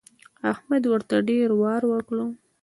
احمد ورته ډېر وار وکړ.